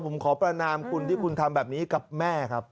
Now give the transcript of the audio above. ผมขอประนามคุณที่คุณทำแบบนี้กับแม่ครับ